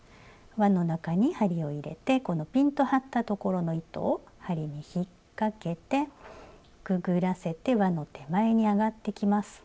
わの中に針を入れてこのピンと張ったところの糸を針に引っ掛けてくぐらせてわの手前に上がってきます。